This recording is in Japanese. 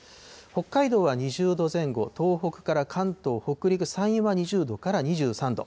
北海道は２０度前後、東北から関東、北陸、山陰は２０度から２３度。